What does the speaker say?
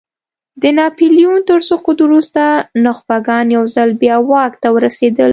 د ناپیلیون تر سقوط وروسته نخبګان یو ځل بیا واک ته ورسېدل.